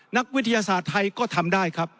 นักวิทยาศาสตร์ไทยก็ทำได้ครับ